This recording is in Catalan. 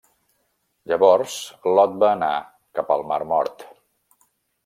Llavors, Lot va anar cap al mar Mort.